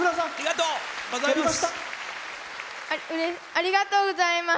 ありがとうございます。